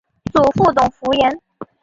祖父董孚言。